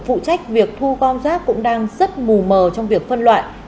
phụ trách việc thu gom rác cũng đang rất mù mờ trong việc phân loại